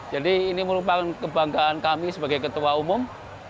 jadi ini merupakan kebanggaan kami sebagai ketua umum